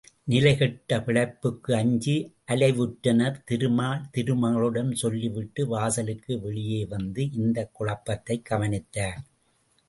நிலை கெட்ட பிழைப்புக்கு அஞ்சி அலைவுற்றனர் திருமால் திருமகளிடம் சொல்லிவிட்டு வாசலுக்கு வெளியே வந்து இந்தக் குழப்பத்தைக் கவனித்தார்.